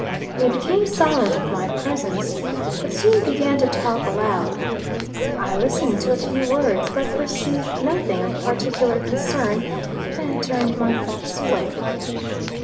They became silent at my presence; but soon began to talk aloud. I listened to a few words, but perceived nothing of particular concern; then turned my thoughts away.